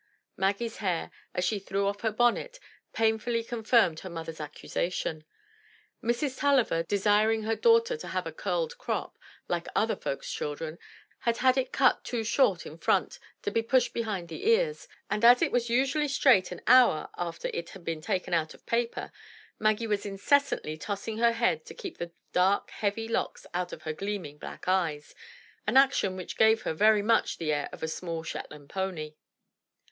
Maggie's hair, as she threw off her bonnet, painfully confirmed her mother's accusation. Mrs. Tulliver, desiring her daughter to have a curled crop, *'like other folks's children," had had it cut too short in front to be pushed behind the ears; and as it was usually straight an hour after it had been taken out of paper, Maggie was incessantly tossing her head to keep the dark heavy locks out of her gleaming black eyes, — an action which gave her very much the air of a small Shetland pony.